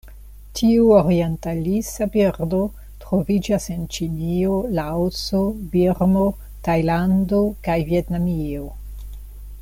Tiu orientalisa birdo troviĝas en Ĉinio, Laoso, Birmo, Tajlando kaj Vjetnamio.